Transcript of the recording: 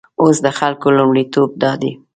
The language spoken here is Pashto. اوس د خلکو لومړیتوب دادی.